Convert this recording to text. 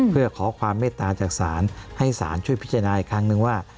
เพื่อขอความเมตตาจากศาลให้ศาลช่วยพิจารณาอีกครั้งนึงว่า